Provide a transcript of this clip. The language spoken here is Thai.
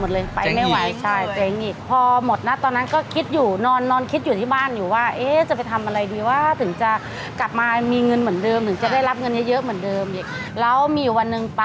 เขาทำเป็นมากหรือปกติซื้อกินหนึ่งเดียว